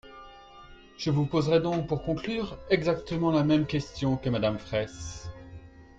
Je vous poserai donc, pour conclure, exactement la même question que Madame Fraysse.